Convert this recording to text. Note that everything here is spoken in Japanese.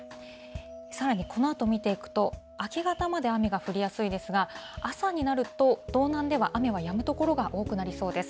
さらにこのあと見ていくと、明け方まで雨が降りやすいですが、朝になると、道南では雨はやむ所が多くなりそうです。